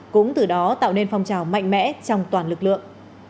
cũng từ đó tạo nên phong trào mạnh mẽ trong toàn lực lượng